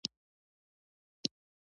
کلورادو سیند په مکسیکو په خلیج کې تویږي.